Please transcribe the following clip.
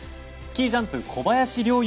スキージャンプ小林陵